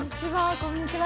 こんにちは。